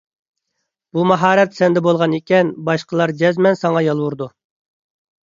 بۇ ماھارەت سەندە بولغان ئىكەن، باشقىلار جەزمەن ساڭا يالۋۇرىدۇ.